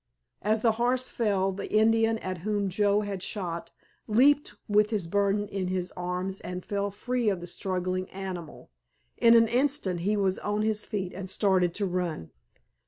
As the horse fell the Indian at whom Joe had shot leaped with his burden in his arms, and fell free of the struggling animal. In an instant he was on his feet and started to run.